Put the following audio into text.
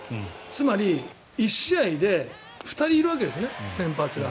つまり１試合で２人いるわけですね、先発が。